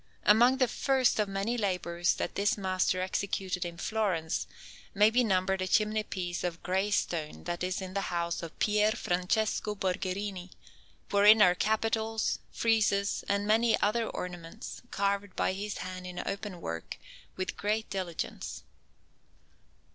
Among the first of many labours that this master executed in Florence, may be numbered a chimney piece of grey stone that is in the house of Pier Francesco Borgherini, wherein are capitals, friezes, and many other ornaments, carved by his hand in open work with great diligence.